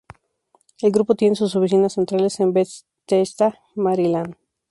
El grupo tiene sus oficinas centrales en Bethesda, Maryland.